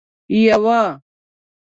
یوه